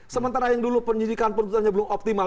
sementara yang dulu penyidikan penuntutannya belum optimal